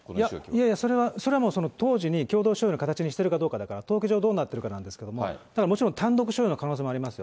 いや、それはもう、その当時に共同所有の形にしてるかどうかだから、登記上どうなっているかなんですけれども、もちろん単独所有の可能性もありますよ。